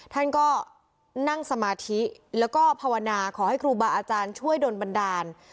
ท่านก็นั่งสมาธิแล้วก็ภาวนาขอให้ครูบาอาจารย์ช่วยโดนบันดาล